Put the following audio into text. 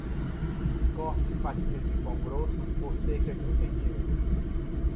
Corte fatias de pão grosso por cerca de um centímetro.